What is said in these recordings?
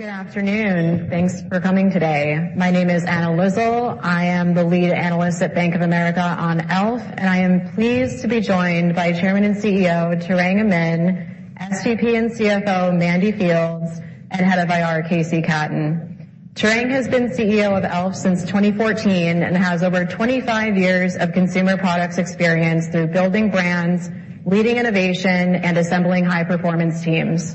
Good afternoon. Thanks for coming today. My name is Anna Lizzul. I am the lead analyst at Bank of America on e.l.f.. I am pleased to be joined by Chairman and CEO, Tarang Amin, SVP and CFO, Mandy Fields, and Head of IR, KC Katten. Tarang has been CEO of e.l.f. Since 2014 and has over 25 years of consumer products experience through building brands, leading innovation, and assembling high performance teams.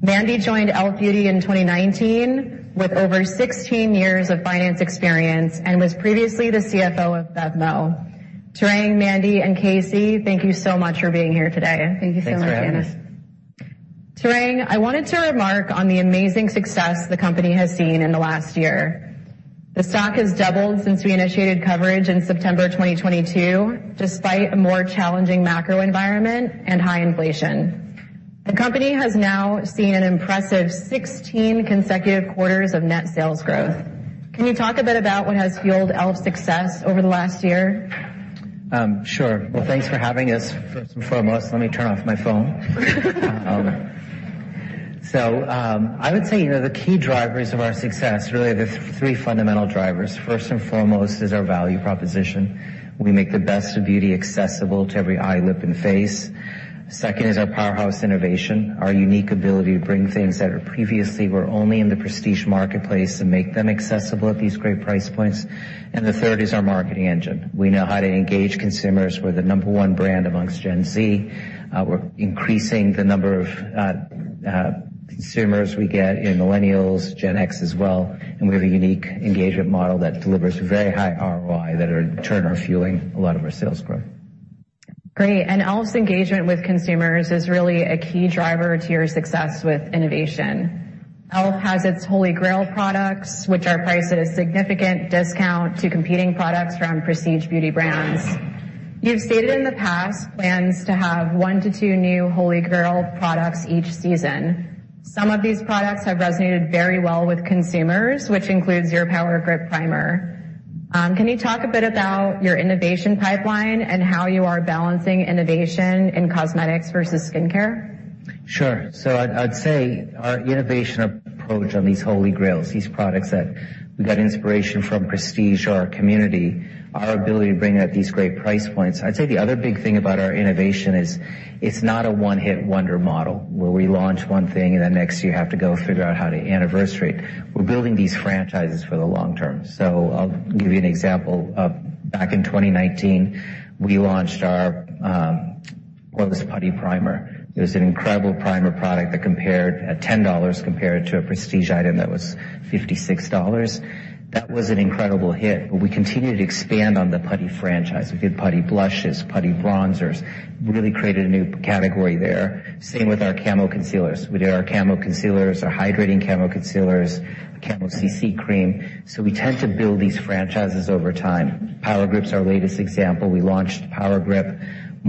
Mandy joined e.l.f. Beauty in 2019 with over 16 years of finance experience and was previously the CFO of BevMo!. Tarang, Mandy, and KC, thank you so much for being here today. Thank you so much, Anna. Tarang, I wanted to remark on the amazing success the company has seen in the last year. The stock has doubled since we initiated coverage in September 2022, despite a more challenging macro environment and high inflation. The company has now seen an impressive 16 consecutive quarters of net sales growth. Can you talk a bit about what has fueled e.l.f.'s success over the last year? Sure. Well, thanks for having us, first and foremost. Let me turn off my phone. I would say, you know, the key drivers of our success, really the three fundamental drivers, first and foremost, is our value proposition. We make the best of beauty accessible to every eye, lip, and face. Second is our powerhouse innovation, our unique ability to bring things that are previously were only in the prestige marketplace and make them accessible at these great price points. The third is our marketing engine. We know how to engage consumers. We're the number one brand amongst Gen Z. We're increasing the number of consumers we get in millennials, Gen X as well, and we have a unique engagement model that delivers very high ROI that are in turn are fueling a lot of our sales growth. Great. e.l.f.'s engagement with consumers is really a key driver to your success with innovation. e.l.f. has its Holy Grail products, which are priced at a significant discount to competing products from prestige beauty brands. You've stated in the past plans to have one to two new Holy Grail products each season. Some of these products have resonated very well with consumers, which includes your Power Grip Primer. Can you talk a bit about your innovation pipeline and how you are balancing innovation in cosmetics versus skincare? I'd say our innovation approach on these Holy Grails, these products that we got inspiration from prestige or our community, our ability to bring them at these great price points. I'd say the other big thing about our innovation is it's not a one-hit wonder model where we launch one thing and then next year have to go figure out how to anniversary. We're building these franchises for the long term. I'll give you an example of back in 2019, we launched our Poreless Putty Primer. It was an incredible primer product that compared at $10 compared to a prestige item that was $56. That was an incredible hit, we continued to expand on the Putty franchise. We did Putty Blushes, Putty Bronzers, really created a new category there. Same with our Camo Concealers. We did our Camo Concealers, our hydrating Camo Concealers, Camo CC Cream. We tend to build these franchises over time. Power Grip's our latest example. We launched Power Grip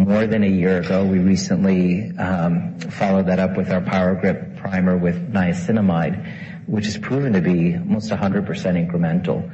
more than a year ago. We recently followed that up with our Power Grip Primer with niacinamide, which has proven to be almost 100% incremental.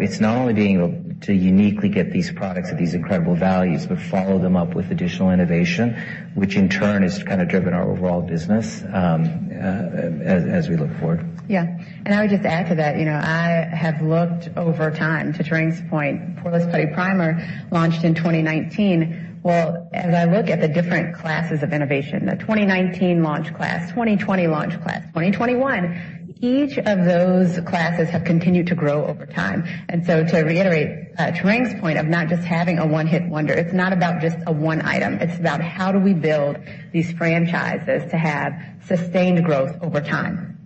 It's not only being able to uniquely get these products at these incredible values, but follow them up with additional innovation, which in turn has kind of driven our overall business as we look forward. Yeah. I would just add to that, you know, I have looked over time, to Tarang's point, Poreless Putty Primer launched in 2019. Well, as I look at the different classes of innovation, the 2019 launch class, 2020 launch class, 2021, each of those classes have continued to grow over time. To reiterate, Tarang's point of not just having a one hit wonder, it's not about just a one item. It's about how do we build these franchises to have sustained growth over time.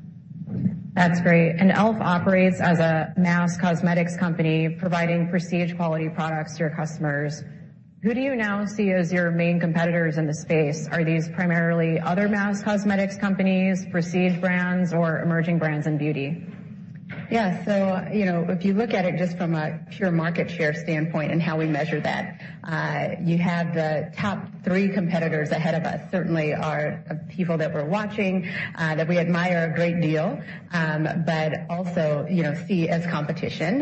That's great. e.l.f. operates as a mass cosmetics company providing prestige quality products to your customers. Who do you now see as your main competitors in the space? Are these primarily other mass cosmetics companies, prestige brands, or emerging brands in beauty? You know, if you look at it just from a pure market share standpoint and how we measure that, you have the top three competitors ahead of us certainly are people that we're watching, that we admire a great deal, but also, you know, see as competition.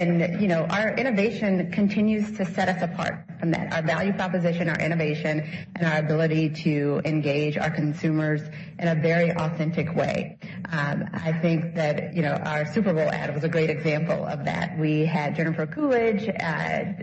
You know, our innovation continues to set us apart from that. Our value proposition, our innovation, and our ability to engage our consumers in a very authentic way. I think that, you know, our Super Bowl ad was a great example of that. We had Jennifer Coolidge,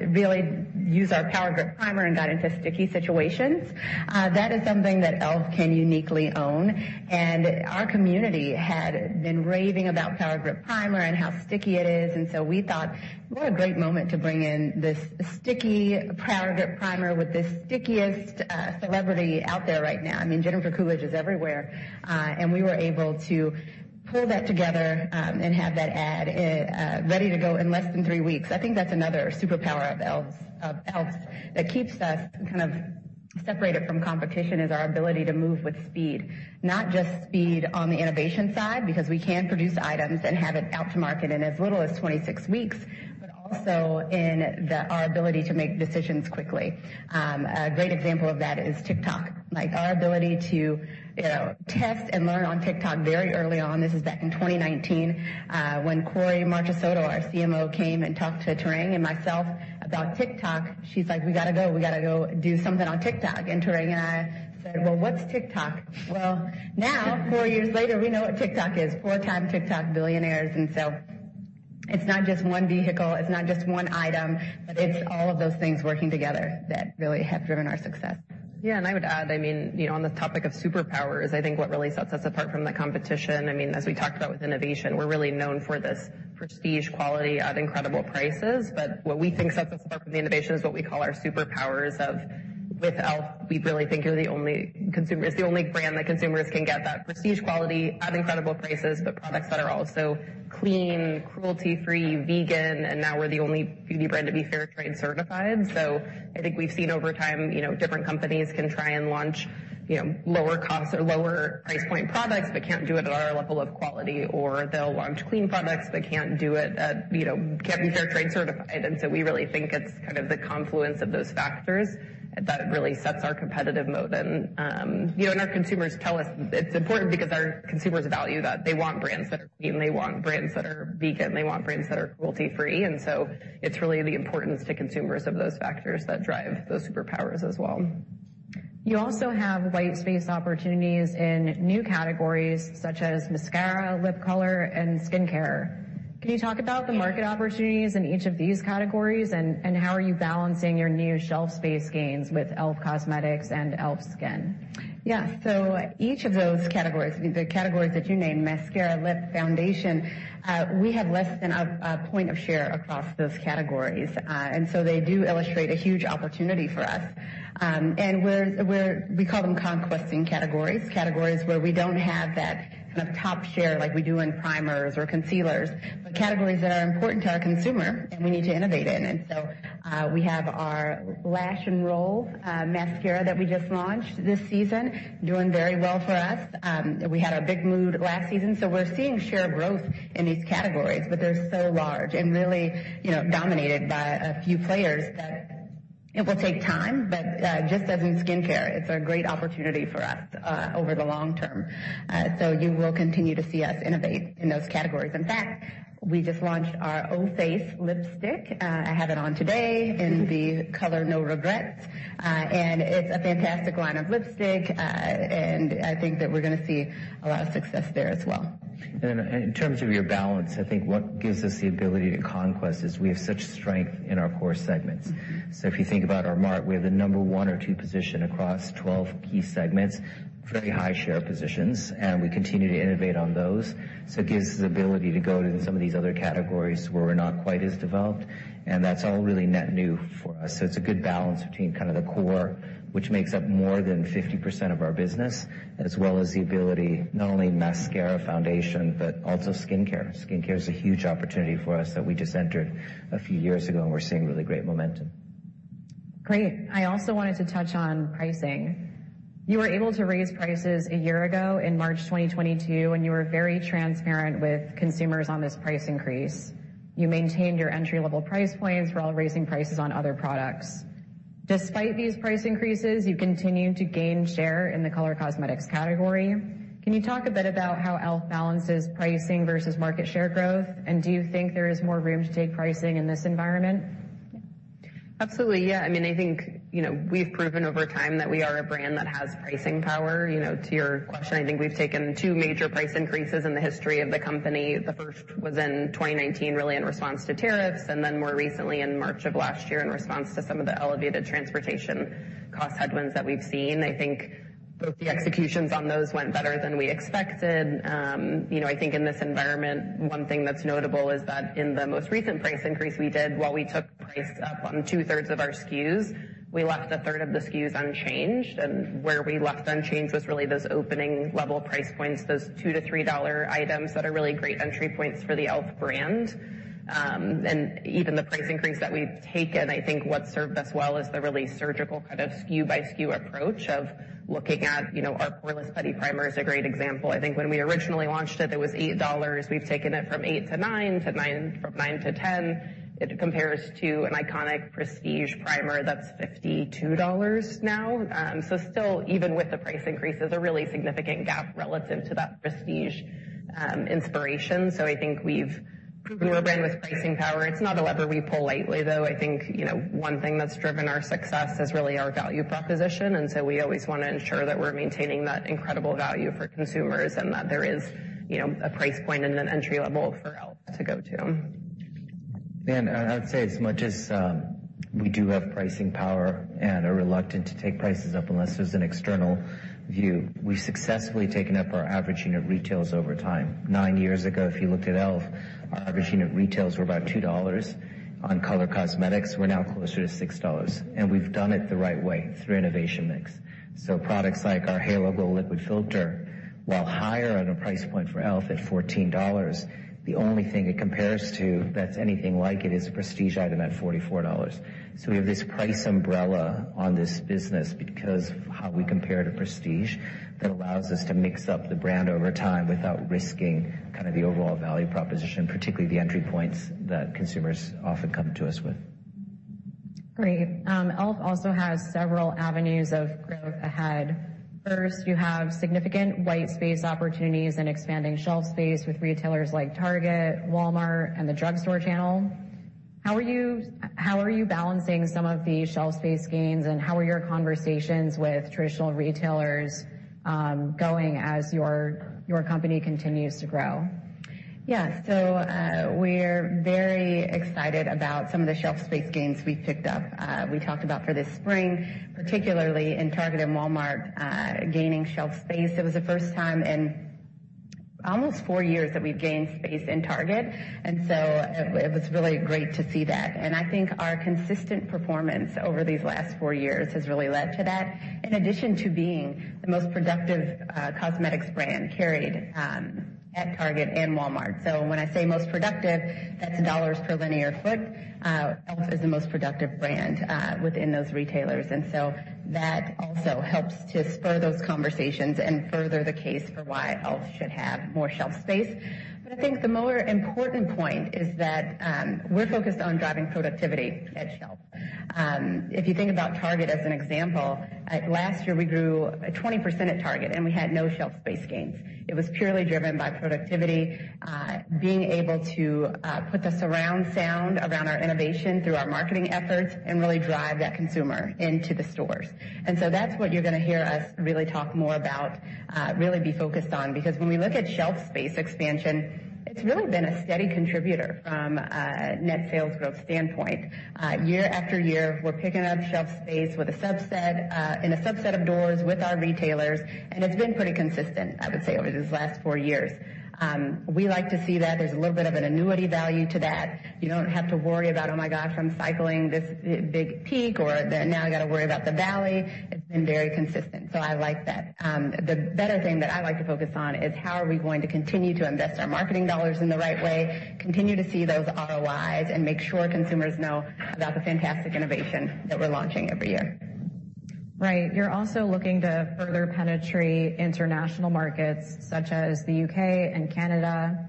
really use our Power Grip Primer and got into sticky situations. That is something that e.l.f. can uniquely own, and our community had been raving about Power Grip Primer and how sticky it is. We thought, "What a great moment to bring in this sticky Power Grip Primer with the stickiest celebrity out there right now." I mean, Jennifer Coolidge is everywhere, and we were able to pull that together and have that ad ready to go in less than three weeks. I think that's another superpower of e.l.f.'s that keeps us kind of separated from competition, is our ability to move with speed. Not just speed on the innovation side, because we can produce items and have it out to market in as little as 26 weeks, but also in our ability to make decisions quickly. A great example of that is TikTok. Like, our ability to, you know, test and learn on TikTok very early on, this is back in 2019, when Kory Marchisotto, our CMO, came and talked to Tarang and myself about TikTok. She's like, "We gotta go do something on TikTok." Tarang and I said, "Well, what's TikTok?" Well, now four years later, we know what TikTok is. Four-time TikTok billionaires. It's not just one vehicle, it's not just one item, but it's all of those things working together that really have driven our success. Yeah. I would add, I mean, you know, on the topic of superpowers, I think what really sets us apart from the competition, I mean, as we talked about with innovation, we're really known for this prestige quality at incredible prices. What we think sets us apart from the innovation is what we call our superpowers of, with e.l.f., we really think it's the only brand that consumers can get that prestige quality at incredible prices, but products that are also clean, cruelty-free, vegan, and now we're the only beauty brand to be Fair Trade certified. I think we've seen over time, different companies can try and launch, you know, lower cost or lower price point products, but can't do it at our level of quality, or they'll launch clean products, but can't do it at, you know, can't be Fair Trade certified. We really think it's kind of the confluence of those factors that really sets our competitive moat. Our consumers tell us it's important because our consumers value that. They want brands that are clean, they want brands that are vegan, they want brands that are cruelty-free. It's really the importance to consumers of those factors that drive those superpowers as well. You also have white space opportunities in new categories such as mascara, lip color, and skincare. Can you talk about the market opportunities in each of these categories, and how are you balancing your new shelf space gains with e.l.f. Cosmetics and e.l.f. SKIN? Each of those categories, the categories that you named, mascara, lip, foundation, we have less than a point of share across those categories. They do illustrate a huge opportunity for us. We call them conquesting categories where we don't have that kind of top share like we do in primers or concealers, but categories that are important to our consumer, and we need to innovate in. We have our Lash 'N Roll mascara that we just launched this season, doing very well for us. We had our Big Mood last season, we're seeing share growth in these categories, but they're so large and really, you know, dominated by a few players that it will take time. Just as in skincare, it's a great opportunity for us over the long term. You will continue to see us innovate in those categories. In fact, we just launched our O FACE lipstick. I have it on today in the color No Regrets. It's a fantastic line of lipstick. I think that we're gonna see a lot of success there as well. In terms of your balance, I think what gives us the ability to conquest is we have such strength in our core segments. If you think about our mart, we have the number one or two position across 12 key segments, very high share positions, and we continue to innovate on those. It gives us the ability to go into some of these other categories where we're not quite as developed, and that's all really net new for us. It's a good balance between kind of the core, which makes up more than 50% of our business, as well as the ability, not only mascara foundation, but also skincare. Skincare is a huge opportunity for us that we just entered a few years ago, and we're seeing really great momentum. Great. I also wanted to touch on pricing. You were able to raise prices a year ago in March 2022, and you were very transparent with consumers on this price increase. You maintained your entry-level price points while raising prices on other products. Despite these price increases, you continued to gain share in the color cosmetics category. Can you talk a bit about how e.l.f. balances pricing versus market share growth, and do you think there is more room to take pricing in this environment? Absolutely, yeah. I mean, I think, you know, we've proven over time that we are a brand that has pricing power. You know, to your question, I think we've taken two major price increases in the history of the company. The first was in 2019, really in response to tariffs, and then more recently in March of last year in response to some of the elevated transportation cost headwinds that we've seen. I think both the executions on those went better than we expected. You know, I think in this environment, one thing that's notable is that in the most recent price increase we did, while we took price up on two-thirds of our SKUs, we left a third of the SKUs unchanged, and where we left unchanged was really those opening level price points, those $2-$3 items that are really great entry points for the e.l.f. brand. Even the price increase that we've taken, I think what served us well is the really surgical kind of SKU by SKU approach of looking at, you know, our Poreless Putty Primer is a great example. I think when we originally launched it was $8. We've taken it from $8-$9, from $9-$10. It compares to an iconic prestige primer that's $52 now. Still, even with the price increase, there's a really significant gap relative to that prestige inspiration. I think we've proven we're a brand with pricing power. It's not a lever we pull lightly, though. I think, you know, one thing that's driven our success is really our value proposition, we always wanna ensure that we're maintaining that incredible value for consumers and that there is, you know, a price point and an entry level for e.l.f. to go to. I'd say as much as we do have pricing power and are reluctant to take prices up unless there's an external view, we've successfully taken up our average unit retails over time. nine years ago, if you looked at e.l.f., our average unit retails were about $2. On color cosmetics, we're now closer to $6, we've done it the right way through innovation mix. Products like our Halo Glow Liquid Filter, while higher on a price point for e.l.f. at $14, the only thing it compares to that's anything like it is a prestige item at $44. We have this price umbrella on this business because how we compare to prestige, that allows us to mix up the brand over time without risking kind of the overall value proposition, particularly the entry points that consumers often come to us with. Great. e.l.f. also has several avenues of growth ahead. First, you have significant white space opportunities and expanding shelf space with retailers like Target, Walmart, and the drugstore channel. How are you balancing some of the shelf space gains, and how are your conversations with traditional retailers going as your company continues to grow? Yeah. We're very excited about some of the shelf space gains we picked up. We talked about for this spring, particularly in Target and Walmart, gaining shelf space. It was the first time in almost four years that we've gained space in Target. It, it was really great to see that. I think our consistent performance over these last four years has really led to that, in addition to being the most productive cosmetics brand carried at Target and Walmart. When I say most productive, that's $ per linear foot, e.l.f. is the most productive brand within those retailers. That also helps to spur those conversations and further the case for why e.l.f. should have more shelf space. I think the more important point is that we're focused on driving productivity at shelf. If you think about Target as an example, last year we grew 20% at Target, and we had no shelf space gains. It was purely driven by productivity, being able to, put the surround sound around our innovation through our marketing efforts and really drive that consumer into the stores. That's what you're gonna hear us really talk more about, really be focused on. Because when we look at shelf space expansion, it's really been a steady contributor from, net sales growth standpoint. Year after year, we're picking up shelf space with a subset, in a subset of doors with our retailers, and it's been pretty consistent, I would say, over these last four years. We like to see that. There's a little bit of an annuity value to that. You don't have to worry about, oh my gosh, I'm cycling this big peak or that now I gotta worry about the valley. It's been very consistent. I like that. The better thing that I like to focus on is how are we going to continue to invest our marketing dollars in the right way, continue to see those ROIs, make sure consumers know about the fantastic innovation that we're launching every year. Right. You're also looking to further penetrate international markets such as the U.K. and Canada.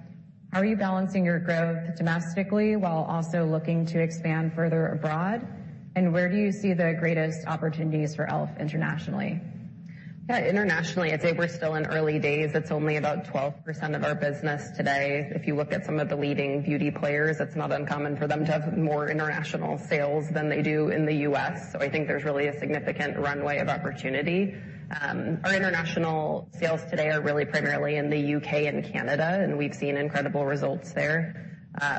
How are you balancing your growth domestically while also looking to expand further abroad? Where do you see the greatest opportunities for e.l.f. internationally? Internationally, I'd say we're still in early days. It's only about 12% of our business today. If you look at some of the leading beauty players, it's not uncommon for them to have more international sales than they do in the U.S. I think there's really a significant runway of opportunity. Our international sales today are really primarily in the U.K. and Canada, and we've seen incredible results there.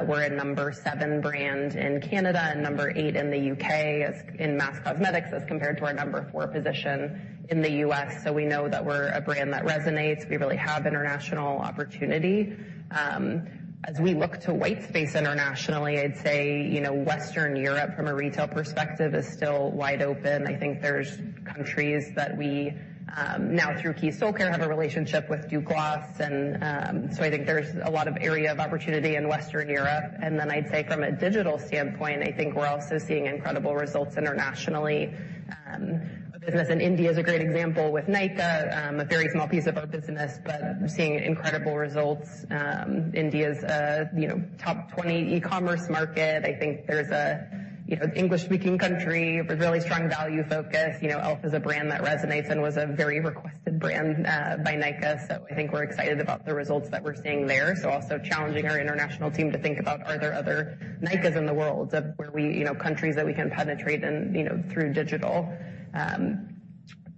We're a number seven brand in Canada and number eight in the U.K. in mass cosmetics as compared to our number four position in the U.S. We know that we're a brand that resonates. We really have international opportunity. As we look to white space internationally, I'd say, you know, Western Europe from a retail perspective is still wide open. I think there's countries that we now through Keys Soulcare have a relationship with Douglas, and I think there's a lot of area of opportunity in Western Europe. Then I'd say from a digital standpoint, I think we're also seeing incredible results internationally. Our business in India is a great example with Nykaa, a very small piece of our business, but we're seeing incredible results. India's, you know, top 20 e-commerce market. I think there's a, you know, English-speaking country with really strong value focus. You know, e.l.f. is a brand that resonates and was a very requested brand by Nykaa. I think we're excited about the results that we're seeing there. Also challenging our international team to think about are there' other Nykaa's in the world of where we, you know, countries that we can penetrate and, you know, through digital.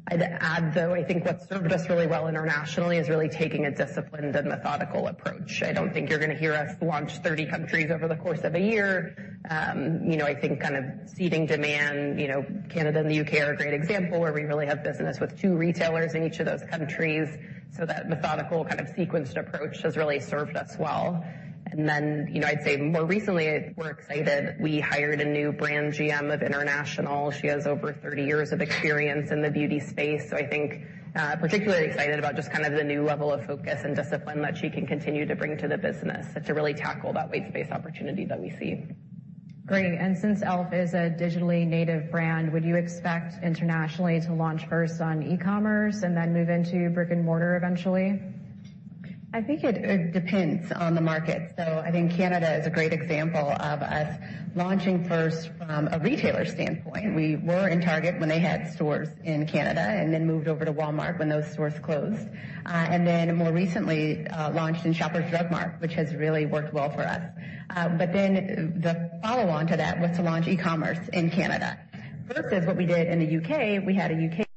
I'd add, though, I think what served us really well internationally is really taking a disciplined and methodical approach. I don't think you're gonna hear us launch 30 countries over the course of a year. You know, I think kind of seeding demand, you know, Canada and the U.K. are a great example where we really have business with two retailers in each of those countries. That methodical, kind of sequenced approach has really served us well. You know, I'd say more recently, we're excited, we hired a new Brand GM of International. She has over 30 years of experience in the beauty space. I think, particularly excited about just kind of the new level of focus and discipline that she can continue to bring to the business to really tackle that white space opportunity that we see. Great. Since e.l.f. is a digitally native brand, would you expect internationally to launch first on e-commerce and then move into brick and mortar eventually? I think it depends on the market. I think Canada is a great example of us launching first from a retailer standpoint. We were in Target when they had stores in Canada and then moved over to Walmart when those stores closed. And then more recently launched in Shoppers Drug Mart, which has really worked well for us. But then the follow-on to that was to launch e-commerce in Canada. Versus what we did in the U.K., we had a U.K., first,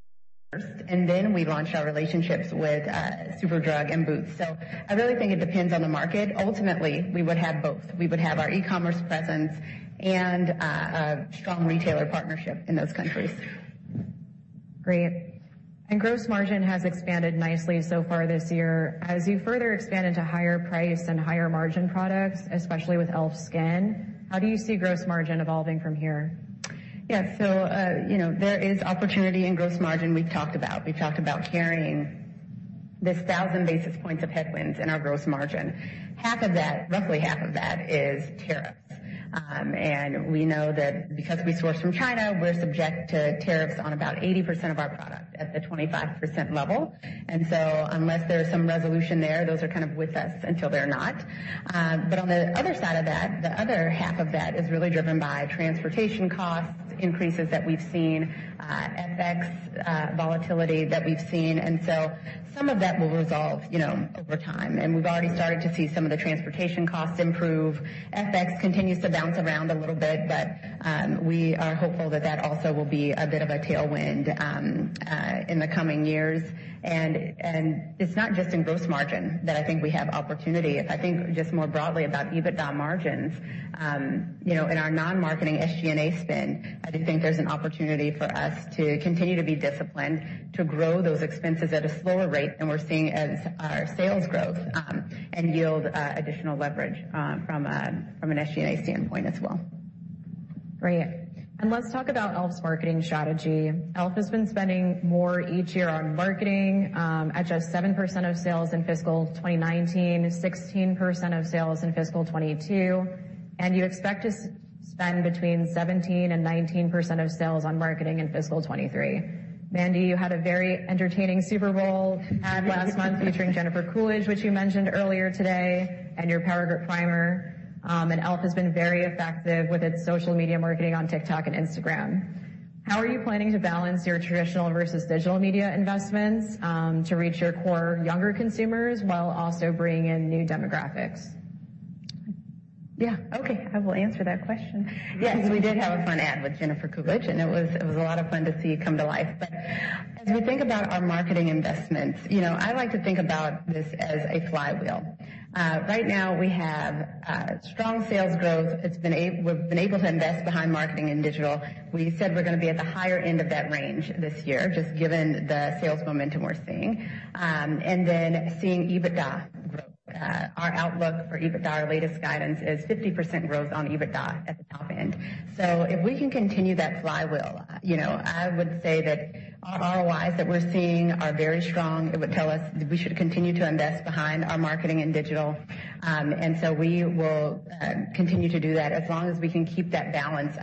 and then we launched our relationships with Superdrug and Boots. I really think it depends on the market. Ultimately, we would have both. We would have our e-commerce presence and a strong retailer partnership in those countries. Great. Gross margin has expanded nicely so far this year. As you further expand into higher price and higher margin products, especially with e.l.f. SKIN, how do you see gross margin evolving from here? Yeah. You know, there is opportunity in gross margin we've talked about. We've talked about carrying this 1,000 basis points of headwinds in our gross margin. Half of that, roughly half of that is tariffs. We know that because we source from China, we're subject to tariffs on about 80% of our products. At the 25% level. Unless there's some resolution there, those are kind of with us until they're not. On the other side of that, the other half of that is really driven by transportation costs, increases that we've seen, FX volatility that we've seen. Some of that will resolve, you know, over time, and we've already started to see some of the transportation costs improve. FX continues to bounce around a little bit, but we are hopeful that that also will be a bit of a tailwind in the coming years. It's not just in gross margin that I think we have opportunity. If I think just more broadly about EBITDA margins, you know, in our non-marketing SG&A spend, I think there's an opportunity for us to continue to be disciplined, to grow those expenses at a slower rate than we're seeing as our sales growth and yield additional leverage from an SG&A standpoint as well. Great. Let's talk about e.l.f.'s marketing strategy. e.l.f. has been spending more each year on marketing, at just 7% of sales in fiscal 2019, 16% of sales in fiscal 2022, and you expect to spend between 17% and 19% of sales on marketing in fiscal 2023. Mandy, you had a very entertaining Super Bowl ad last month featuring Jennifer Coolidge, which you mentioned earlier today, and your Power Grip Primer. e.l.f. has been very effective with its social media marketing on TikTok and Instagram. How are you planning to balance your traditional versus digital media investments, to reach your core younger consumers while also bringing in new demographics? Okay, I will answer that question. Yes, we did have a fun ad with Jennifer Coolidge, and it was a lot of fun to see come to life. As we think about our marketing investments, you know, I like to think about this as a flywheel. Right now we have strong sales growth. We've been able to invest behind marketing and digital. We said we're gonna be at the higher end of that range this year, just given the sales momentum we're seeing. Then seeing EBITDA growth. Our outlook for EBITDA, our latest guidance is 50% growth on EBITDA at the top end. If we can continue that flywheel, you know, I would say that our ROIs that we're seeing are very strong. It would tell us that we should continue to invest behind our marketing and digital. We will continue to do that as long as we can keep that balance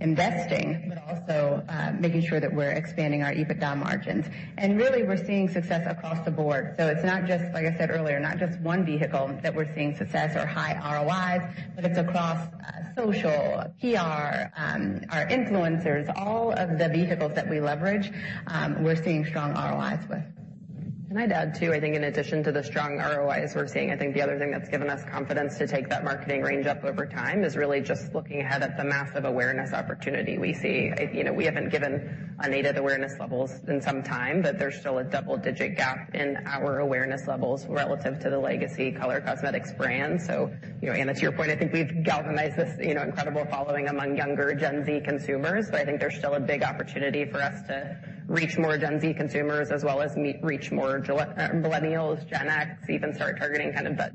of investing, but also making sure that we're expanding our EBITDA margins. Really, we're seeing success across the board. It's not just, like I said earlier, not just one vehicle that we're seeing success or high ROIs, but it's across social, PR, our influencers, all of the vehicles that we leverage, we're seeing strong ROIs with. Can I add too? I think in addition to the strong ROIs we're seeing, I think the other thing that's given us confidence to take that marketing range up over time is really just looking ahead at the massive awareness opportunity we see. You know, we haven't given a native awareness levels in some time, but there's still a double-digit gap in our awareness levels relative to the legacy color cosmetics brands. You know, Anna, to your point, I think we've galvanized this, you know, incredible following among younger Gen Z consumers. I think there's still a big opportunity for us to reach more Gen Z consumers as well as reach more millennials, Gen X, even start targeting kind of that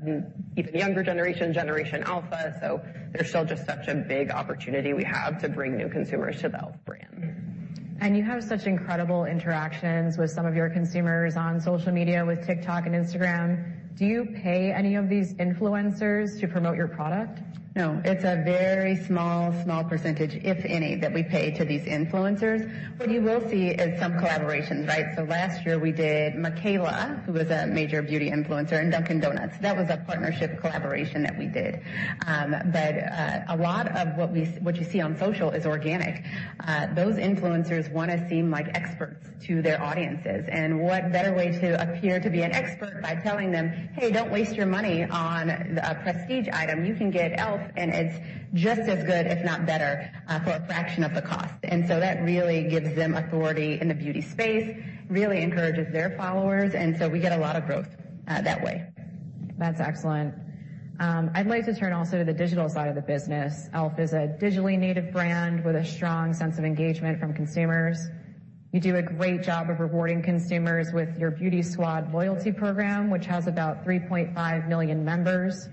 even younger generation, Generation Alpha. There's still just such a big opportunity we have to bring new consumers to the e.l.f. brand. You have such incredible interactions with some of your consumers on social media with TikTok and Instagram. Do you pay any of these influencers to promote your product? No. It's a very small percentage, if any, that we pay to these influencers. What you will see is some collaborations, right? Last year we did Mikayla, who is a major beauty influencer in Dunkin' Donuts. That was a partnership collaboration that we did. A lot of what we, what you see on social is organic. Those influencers wanna seem like experts to their audiences. What better way to appear to be an expert by telling them, "Hey, don't waste your money on a prestige item. You can get e.l.f., and it's just as good, if not better, for a fraction of the cost." That really gives them authority in the beauty space, really encourages their followers, we get a lot of growth that way. That's excellent. I'd like to turn also to the digital side of the business. e.l.f. is a digitally native brand with a strong sense of engagement from consumers. You do a great job of rewarding consumers with your Beauty Squad loyalty program, which has about 3.5 million members.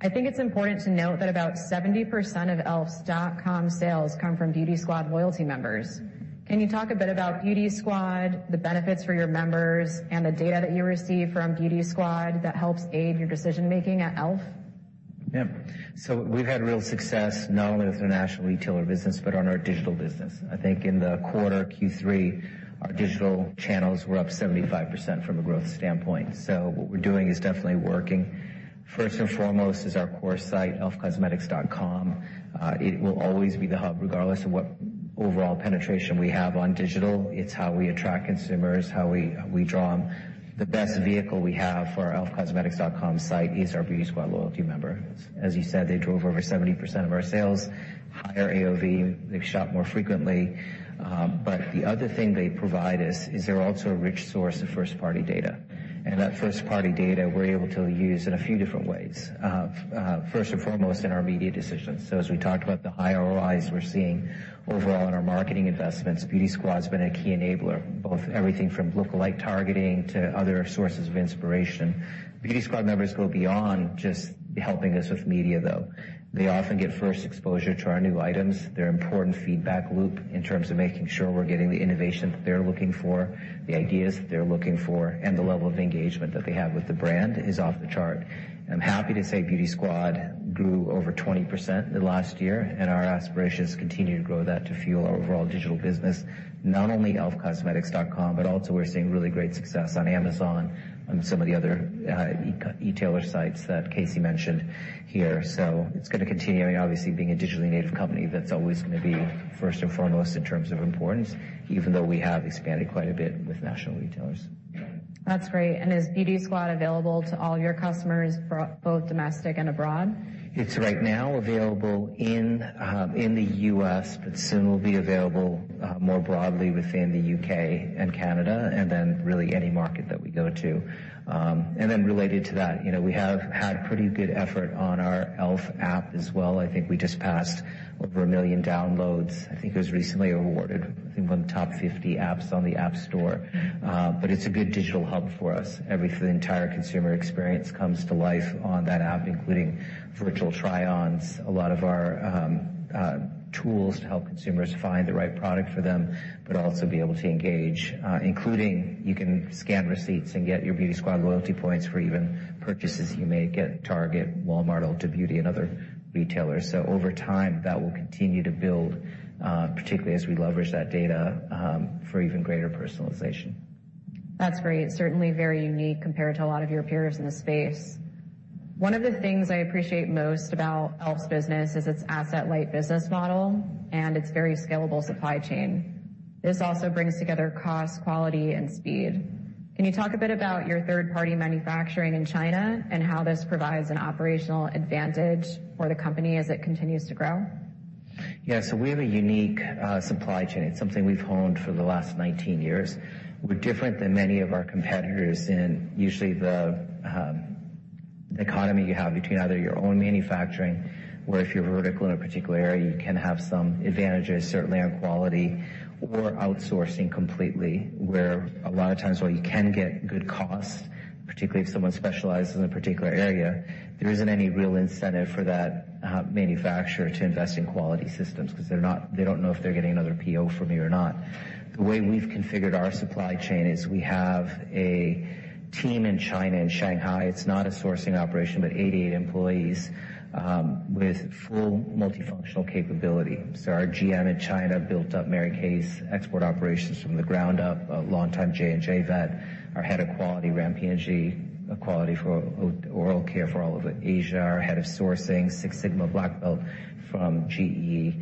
I think it's important to note that about 70% of e.l.lf's dot com sales come from Beauty Squad loyalty members. Can you talk a bit about Beauty Squad, the benefits for your members, and the data that you receive from Beauty Squad that helps aid your decision-making at e.l.f.? We've had real success not only with our national retailer business, but on our digital business. I think in the quarter Q3, our digital channels were up 75% from a growth standpoint. What we're doing is definitely working. First and foremost is our core site, elfcosmetics.com. It will always be the hub, regardless of what overall penetration we have on digital. It's how we attract consumers, how we draw them. The best vehicle we have for our elfcosmetics.com site is our Beauty Squad loyalty member. As you said, they drove over 70% of our sales. Higher AOV, they shop more frequently. The other thing they provide is they're also a rich source of first-party data. That first-party data we're able to use in a few different ways, first and foremost in our media decisions. As we talked about the high ROIs we're seeing overall in our marketing investments, Beauty Squad's been a key enabler, both everything from look-alike targeting to other sources of inspiration. Beauty Squad members go beyond just helping us with media, though. They often get first exposure to our new items. They're important feedback loop in terms of making sure we're getting the innovation that they're looking for, the ideas that they're looking for, and the level of engagement that they have with the brand is off the chart. I'm happy to say Beauty Squad grew over 20% in the last year, and our aspiration is to continue to grow that to fuel our overall digital business, not only elfcosmetics.com, but also we're seeing really great success on Amazon, on some of the other e-tailer sites that KC mentioned here. It's gonna continue, and obviously, being a digitally native company, that's always gonna be first and foremost in terms of importance, even though we have expanded quite a bit with national retailers. Is Beauty Squad available to all your customers both domestic and abroad? It's right now available in the U.S., soon will be available more broadly within the U.K. and Canada, and then really any market that we go to. Related to that, you know, we have had pretty good effort on our e.l.f. app as well. I think we just passed over 1 million downloads. I think it was recently awarded, I think, one of the top 50 apps on the App Store. It's a good digital hub for us. The entire consumer experience comes to life on that app, including virtual try-ons, a lot of our tools to help consumers find the right product for them, but also be able to engage, including you can scan receipts and get your Beauty Squad loyalty points for even purchases you make at Target, Walmart, Ulta Beauty, and other retailers. Over time, that will continue to build, particularly as we leverage that data, for even greater personalization. That's great. It's certainly very unique compared to a lot of your peers in the space. One of the things I appreciate most about e.l.f.'s business is its asset-light business model and its very scalable supply chain. This also brings together cost, quality, and speed. Can you talk a bit about your third-party manufacturing in China and how this provides an operational advantage for the company as it continues to grow? We have a unique supply chain. It's something we've honed for the last 19 years. We're different than many of our competitors in usually the dichotomy you have between either your own manufacturing, where if you're vertical in a particular area, you can have some advantages, certainly on quality, or outsourcing completely, where a lot of times, while you can get good costs, particularly if someone specializes in a particular area, there isn't any real incentive for that manufacturer to invest in quality systems because they don't know if they're getting another PO from you or not. The way we've configured our supply chain is we have a team in China, in Shanghai. It's not a sourcing operation, but 88 employees with full multifunctional capability. Our GM in China built up Mary Kay's export operations from the ground up, a longtime J&J vet. Our head of quality ran P&G quality for oral care for all of Asia. Our head of sourcing, Six Sigma Black Belt from GE.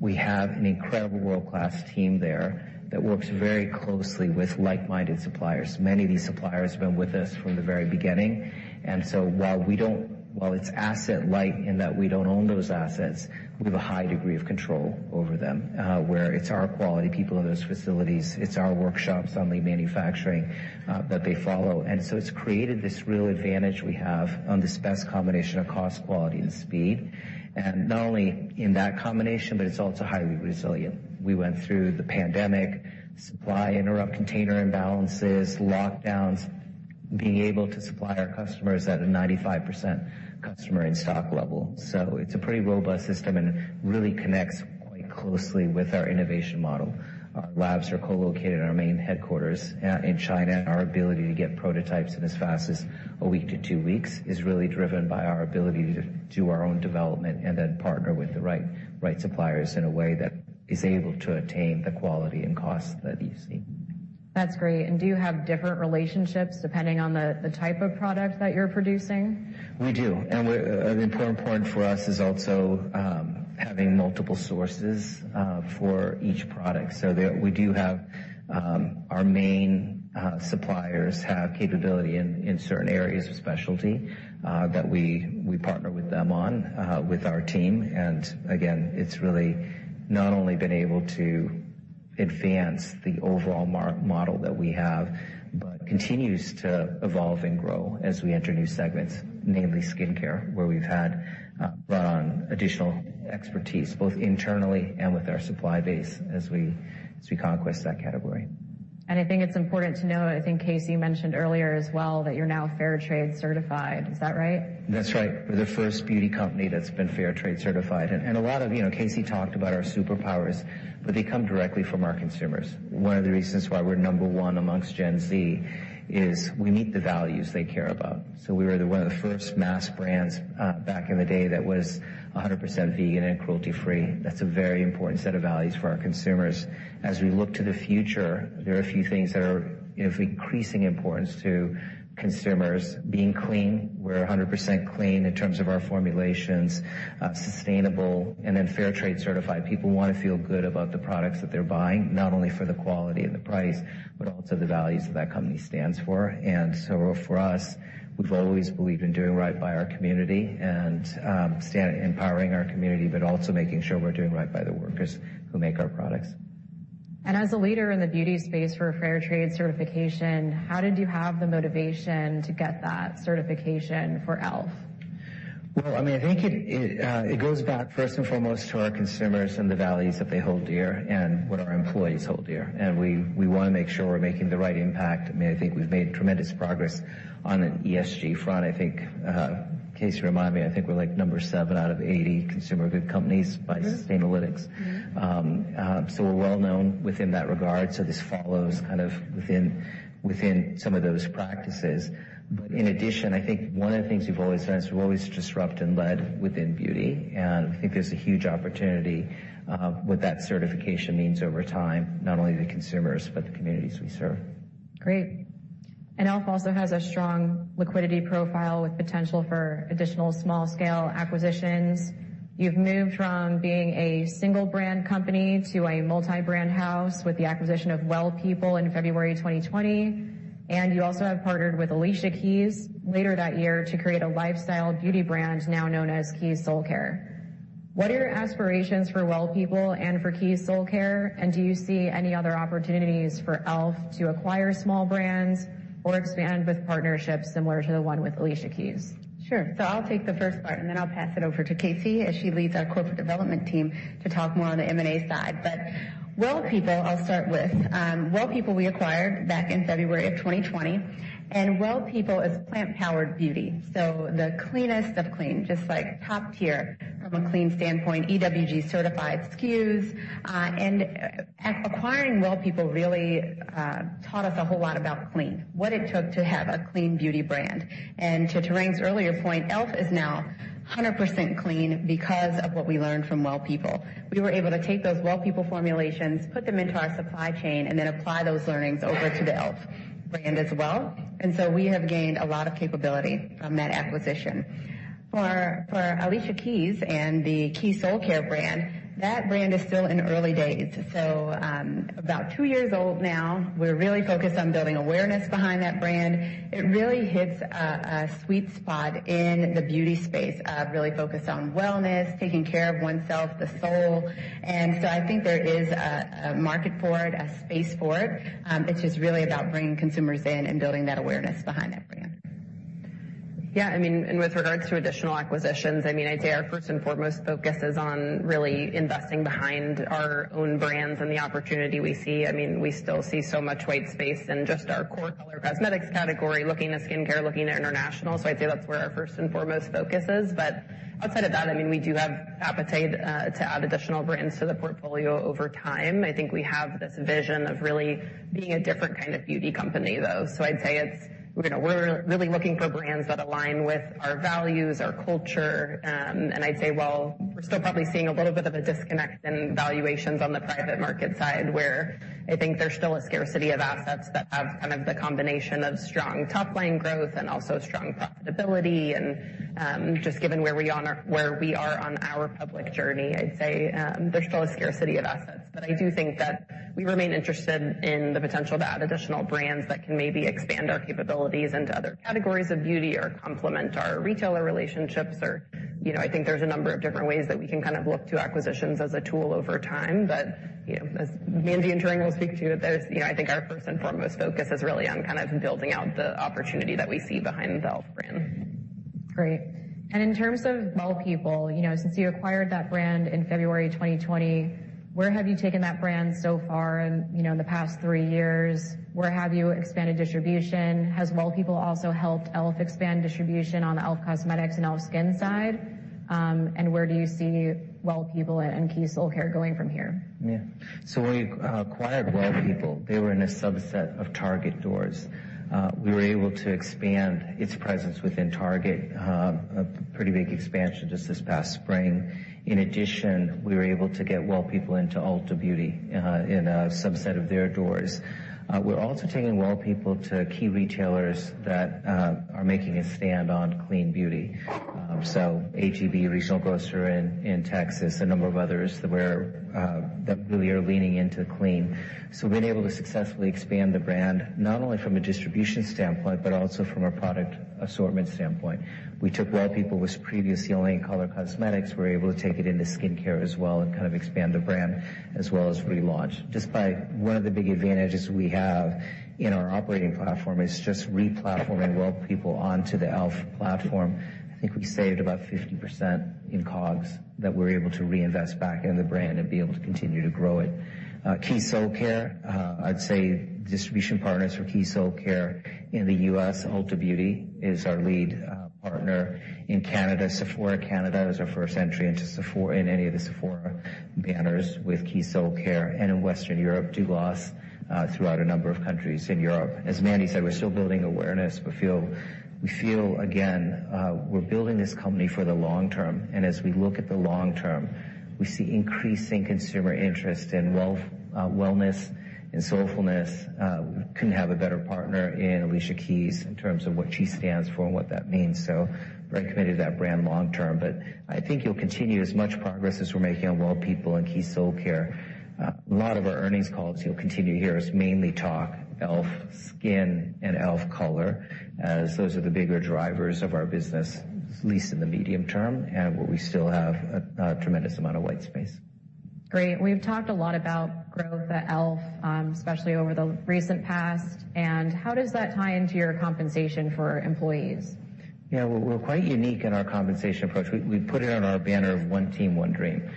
We have an incredible world-class team there that works very closely with like-minded suppliers. Many of these suppliers have been with us from the very beginning. While it's asset light in that we don't own those assets, we have a high degree of control over them, where it's our quality people in those facilities, it's our workshops on the manufacturing that they follow. It's created this real advantage we have on this best combination of cost, quality, and speed. Not only in that combination, but it's also highly resilient. We went through the pandemic, supply interrupt, container imbalances, lockdowns, being able to supply our customers at a 95% customer in-stock level. It's a pretty robust system and really connects quite closely with our innovation model. Our labs are co-located in our main headquarters in China, and our ability to get prototypes in as fast as one-two weeks is really driven by our ability to do our own development and then partner with the right suppliers in a way that is able to attain the quality and cost that you see. That's great. Do you have different relationships depending on the type of product that you're producing? We do. Important for us is also having multiple sources for each product. We do have our main suppliers have capability in certain areas of specialty that we partner with them on with our team. Again, it's really not only been able to advance the overall model that we have, but continues to evolve and grow as we enter new segments, namely skincare, where we've brought on additional expertise, both internally and with our supply base as we conquest that category. I think it's important to note, I think, KC, you mentioned earlier as well that you're now Fair Trade certified. Is that right? That's right. We're the first beauty company that's been Fair Trade certified. A lot of, you know, KC talked about our superpowers, but they come directly from our consumers. One of the reasons why we're number one amongst Gen Z is we meet the values they care about. We were one of the first mass brands back in the day that was 100% vegan and cruelty-free. That's a very important set of values for our consumers. As we look to the future, there are a few things that are, you know, of increasing importance to consumers being clean. We're 100% clean in terms of our formulations, sustainable, and then Fair Trade certified. People wanna feel good about the products that they're buying, not only for the quality and the price, but also the values that that company stands for. For us, we've always believed in doing right by our community and empowering our community, but also making sure we're doing right by the workers who make our products. As a leader in the beauty space for Fair Trade certification, how did you have the motivation to get that certification for e.l.f.? Well, I mean, I think it goes back first and foremost to our consumers and the values that they hold dear, and what our employees hold dear. We wanna make sure we're making the right impact. I mean, I think we've made tremendous progress on an ESG front. I think, KC, remind me, I think we're like seven out of 80 consumer good companies by Sustainalytics. We're well-known within that regard, so this follows kind of within some of those practices. In addition, I think one of the things we've always done is we've always disrupted and led within beauty, and I think there's a huge opportunity what that certification means over time, not only to consumers, but the communities we serve. Great. e.l.f. also has a strong liquidity profile with potential for additional small scale acquisitions. You've moved from being a single brand company to a multi-brand house with the acquisition of Well People in February 2020, and you also have partnered with Alicia Keys later that year to create a lifestyle beauty brand now known as Keys Soulcare. What are your aspirations for Well People and for Keys Soulcare, and do you see any other opportunities for e.l.f. to acquire small brands or expand with partnerships similar to the one with Alicia Keys? Sure. I'll take the first part, and then I'll pass it over to KC, as she leads our corporate development team, to talk more on the M&A side. Well People, I'll start with, Well People we acquired back in February of 2020, and Well People is plant-powered beauty. The cleanest of clean, just like top tier from a clean standpoint, EWG-certified SKUs. Acquiring Well People really taught us a whole lot about clean, what it took to have a clean beauty brand. To Tarang's earlier point, e.l.f. is now 100% clean because of what we learned from Well People. We were able to take those Well People formulations, put them into our supply chain, and then apply those learnings over to the e.l.f. brand as well. We have gained a lot of capability from that acquisition. For Alicia Keys and the Keys Soulcare brand, that brand is still in early days. About 2 years old now. We're really focused on building awareness behind that brand. It really hits a sweet spot in the beauty space, really focused on wellness, taking care of oneself, the soul. I think there is a market for it, a space for it's just really about bringing consumers in and building that awareness behind that brand. Yeah, I mean, with regards to additional acquisitions, I mean, I'd say our first and foremost focus is on really investing behind our own brands and the opportunity we see. I mean, we still see so much white space in just our core color cosmetics category, looking to skincare, looking to international. I'd say that's where our first and foremost focus is. Outside of that, I mean, we do have appetite to add additional brands to the portfolio over time. I think we have this vision of really being a different kind of beauty company, though. I'd say it's, you know, we're really looking for brands that align with our values, our culture, and I'd say while we're still probably seeing a little bit of a disconnect in valuations on the private market side, where I think there's still a scarcity of assets that have kind of the combination of strong top line growth and also strong profitability. Just given where we are on our public journey, I'd say there's still a scarcity of assets. I do think that we remain interested in the potential to add additional brands that can maybe expand our capabilities into other categories of beauty or complement our retailer relationships or, you know, I think there's a number of different ways that we can kind of look to acquisitions as a tool over time. You know, as Mandy Fields and Tarang Amin will speak to, there's, you know, I think our first and foremost focus is really on kind of building out the opportunity that we see behind the e.l.f. brand. Great. In terms of Well People, you know, since you acquired that brand in February 2020, where have you taken that brand so far in, you know, the past three years? Where have you expanded distribution? Has Well People also helped e.l.f. expand distribution on the e.l.f. Cosmetics and e.l.f. SKIN side? Where do you see Well People and Keys Soulcare going from here? Yeah. When we acquired Well People, they were in a subset of Target doors. We were able to expand its presence within Target, a pretty big expansion just this past spring. In addition, we were able to get Well People into Ulta Beauty in a subset of their doors. We're also taking Well People to key retailers that are making a stand on clean beauty. H-E-B, a regional grocer in Texas, a number of others that we're that really are leaning into clean. We've been able to successfully expand the brand, not only from a distribution standpoint, but also from a product assortment standpoint. We took Well People, was previously only in color cosmetics, we were able to take it into skincare as well and kind of expand the brand, as well as relaunch. Just by one of the big advantages we have in our operating platform is just replatforming Well People onto the e.l.f. platform, I think we saved about 50% in COGS that we're able to reinvest back in the brand and be able to continue to grow it. Keys Soulcare, I'd say distribution partners for Keys Soulcare in the U.S., Ulta Beauty is our lead partner. In Canada, Sephora Canada is our first entry into Sephora, in any of the Sephora banners with Keys Soulcare. In Western Europe, Douglas, throughout a number of countries in Europe. As Mandy said, we're still building awareness. We feel, again, we're building this company for the long term, and as we look at the long term, we see increasing consumer interest in wellness and soulfulness. We couldn't have a better partner in Alicia Keys in terms of what she stands for and what that means. We're committed to that brand long term. I think you'll continue as much progress as we're making on Well People and Keys Soulcare, a lot of our earnings calls, you'll continue to hear us mainly talk e.l.f. SKIN and e.l.f. Color, as those are the bigger drivers of our business, at least in the medium term, and where we still have a tremendous amount of white space. Great. We've talked a lot about growth at e.l.f., especially over the recent past, and how does that tie into your compensation for employees? We're quite unique in our compensation approach. We put it on our banner of one team, one dream,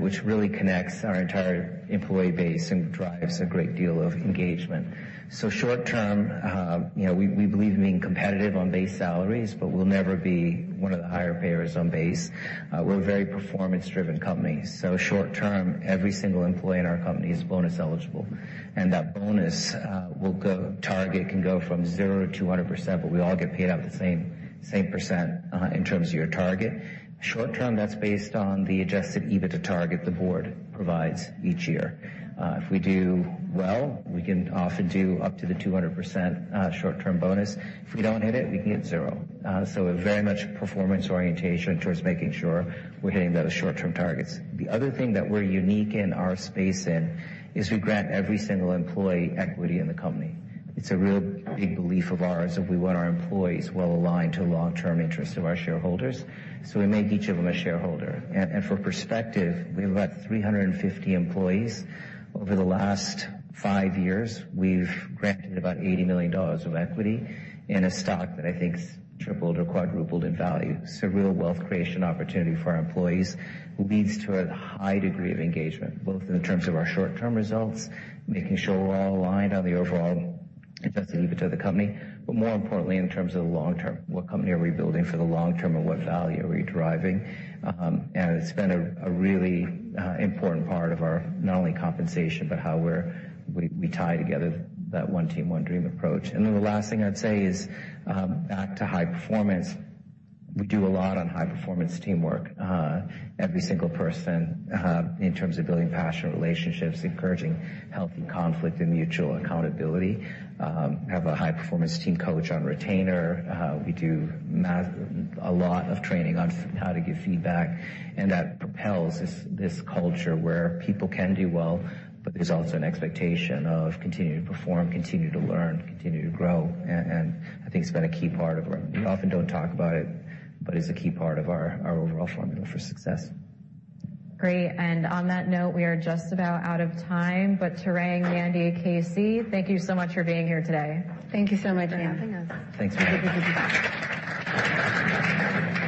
which really connects our entire employee base and drives a great deal of engagement. Short term, you know, we believe in being competitive on base salaries, but we'll never be one of the higher payers on base. We're a very performance-driven company. Short term, every single employee in our company is bonus eligible, and that bonus Target can go from 0% to 200%, but we all get paid out the same percent in terms of your target. Short term, that's based on the Adjusted EBITDA target the board provides each year. If we do well, we can often do up to the 200% short-term bonus. If we don't hit it, we can hit zero. So a very much performance orientation towards making sure we're hitting those short-term targets. The other thing that we're unique in our space in is we grant every single employee equity in the company. It's a real big belief of ours that we want our employees well-aligned to the long-term interests of our shareholders, so we make each of them a shareholder. For perspective, we have about 350 employees. Over the last five years, we've granted about $80 million of equity in a stock that I think's tripled or quadrupled in value. It's a real wealth creation opportunity for our employees, who leads to a high degree of engagement, both in terms of our short-term results, making sure we're all aligned on the overall Adjusted EBITDA of the company, but more importantly, in terms of the long term. What company are we building for the long term, and what value are we driving? It's been a really important part of our not only compensation, but how we tie together that one team, one dream approach. The last thing I'd say is, back to high performance. We do a lot on high-performance teamwork. Every single person, in terms of building passionate relationships, encouraging healthy conflict and mutual accountability, have a high-performance team coach on retainer. We do a lot of training on how to give feedback, that propels this culture where people can do well, but there's also an expectation of continue to perform, continue to learn, continue to grow. I think it's been a key part of our. We often don't talk about it, but it's a key part of our overall formula for success. Great. On that note, we are just about out of time. Tarang, Mandy, KC, thank you so much for being here today. Thank you so much for having us. Thanks for having us.